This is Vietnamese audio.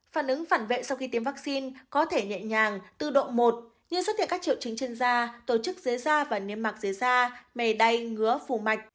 phản ứng phản vệ sau khi tiêm vắc xin có thể nhẹ nhàng tư độ một như xuất hiện các triệu trứng trên da tổ chức dế da và niêm mạc dế da mề đay ngứa phù mạch